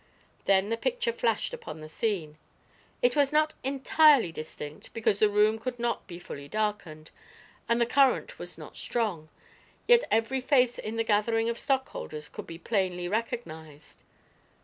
Then the picture flashed upon the screen. It was not entirely distinct, because the room could not be fully darkened and the current was not strong, yet every face in the gathering of stockholders could be plainly recognized.